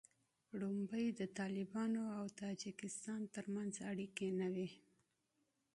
لومړی د طالبانو او تاجکستان تر منځ اړیکې نه وې